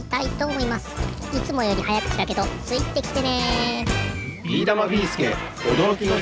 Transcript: いつもよりはやくちだけどついてきてね。